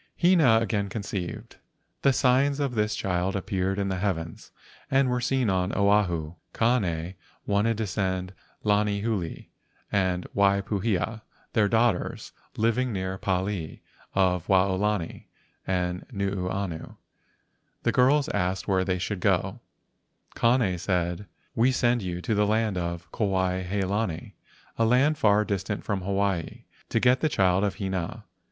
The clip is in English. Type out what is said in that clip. Hina again conceived. The signs of this child appeared in the heavens and were seen on Oahu. Kane wanted to send Lanihuli and Waipuhia, their daughters, living near the pali of Waolani THE MISTY PALI, NUUANU THE MAID OF THE GOLDEN CLOUD 121 and Nuuanu. The girls asked where they should go. Kane said: " We send you to the land Kuai he lani, a land far distant from Hawaii, to get the child of Hina.